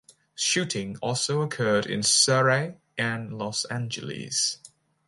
Shooting also occurred in Surrey and Los Angeles.